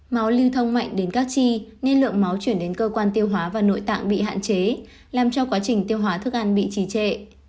máu lưu thông mạnh đến các chi nên lượng máu chuyển đến cơ quan tiêu hóa và nội tạng bị hạn chế làm cho quá trình tiêu hóa thức ăn bị trì trệ